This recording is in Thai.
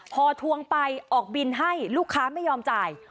พอทวงไปออกบินให้ลูกค้าไม่ยอมจ่าย